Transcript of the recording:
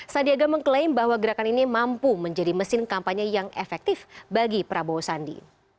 sandiaga mengklaim bahwa gerakan ini mampu menjadi mesin kampanye yang efektif bagi prabowo sandi